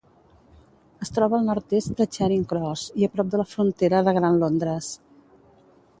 Es troba al nord-est de Charing Cross i a prop de la frontera de Gran Londres.